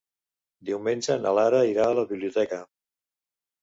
Diumenge na Lara anirà a la biblioteca.